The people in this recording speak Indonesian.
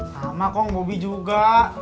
sama kong bobi juga